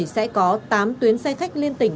sẽ có tám tuyến xe khách liên tỉnh